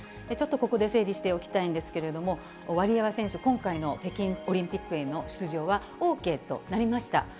ちょっとここで整理しておきたいんですけれども、ワリエワ選手、今回の北京オリンピックへの出場はＯＫとなりました。